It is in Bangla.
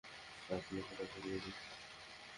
আপনাকে এটা পরিয়ে দিই।